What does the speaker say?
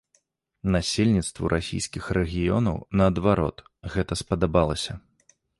Насельніцтву расійскіх рэгіёнаў, наадварот, гэта спадабалася.